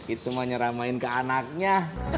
itu mah nyeramain ke anaknya